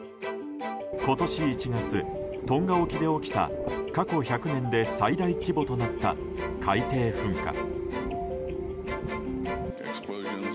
今年１月、トンガ沖で起きた過去１００年で最大規模となった海底噴火。